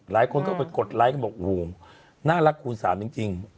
หลายคนเข้าไปกดไลค์กันบอกโอ้โหน่ารักคูณสามจริง